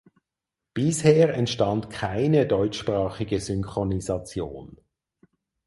Bisher entstand keine deutschsprachige Synchronisation.